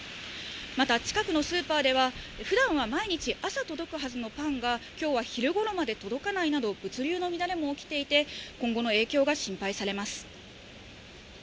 また近くのスーパーでは、ふだんは毎日朝届くはずのパンが、きょうは昼ごろまで届かないなど、物流の乱れも起きていて、今後の影響が心配されます。